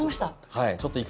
はい。